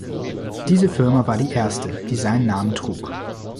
Diese Firma war die erste, die seinen Namen trug.